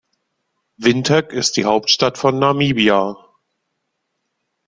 Windhoek ist die Hauptstadt von Namibia.